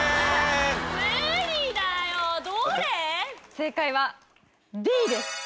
正解はＤです。